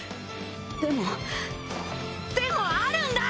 でもでもあるんだ！